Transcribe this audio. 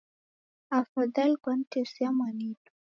Afadhali kwanitesia mwanidu